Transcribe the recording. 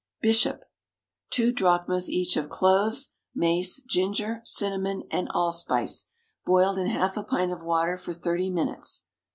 Bishop. Two drachmas each of cloves, mace, ginger, cinnamon, and allspice, boiled in half a pint of water for thirty minutes.